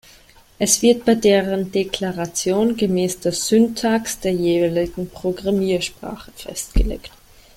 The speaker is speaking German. Es wird bei deren Deklaration gemäß der Syntax der jeweiligen Programmiersprache festgelegt.